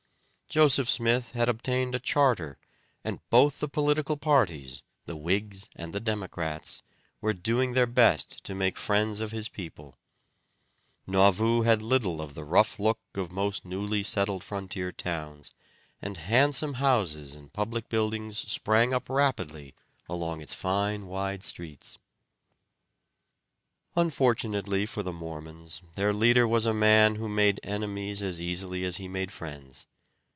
Joseph Smith had obtained a charter, and both the political parties, the Whigs and the Democrats, were doing their best to make friends of his people. Nauvoo had little of the rough look of most newly settled frontier towns, and handsome houses and public buildings sprang up rapidly along its fine wide streets. [Illustration: NAUVOO HAD HANDSOME HOUSES AND PUBLIC BUILDINGS] Unfortunately for the Mormons their leader was a man who made enemies as easily as he made friends.